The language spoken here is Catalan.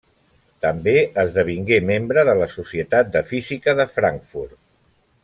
També esdevingué membre de la Societat de Física de Frankfurt.